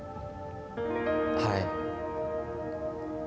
はい。